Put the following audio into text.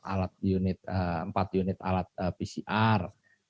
tiga pak swab antigen hand sanitizer dan empat unit alat pcr